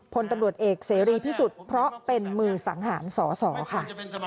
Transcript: พลตำรวจเอกเสรีพิสุทธิ์เพราะเป็นมือสังหารสอสอค่ะ